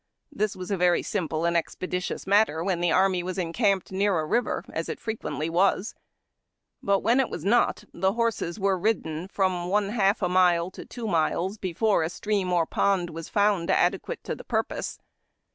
This was a very simple and ^.^^^^■ ^rr^^m^^m^::], THE PICKET ROPE. expeditious matter when the arm}^ was encamped near a river, as it frequently was ; but when it was not, the horses were ridden from one half a mile to two miles before a stream or pond was found adequate to the purpose.